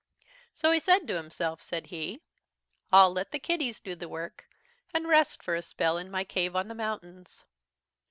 "So he said to himself, said he: "'I'll let the kiddies do the work, and rest for a spell in my cave on the mountains.'